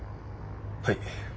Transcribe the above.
はい。